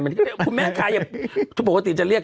แม่งทายครับทุกคนปกติจะเรียก